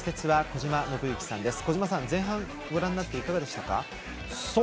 小島さん、前半ご覧になっていかがでしたか。